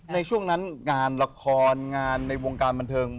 ในช่วงนั้นงานละครงานในวงการบันเทิง